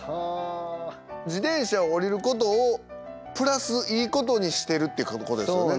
自転車を降りることをプラスいいことにしてるってことですよね。